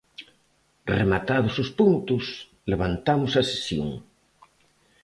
Rematados os puntos, levantamos a sesión.